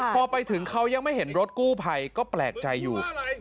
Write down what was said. พอไปถึงเขายังไม่เห็นรถกู้ภัยก็แปลกใจอยู่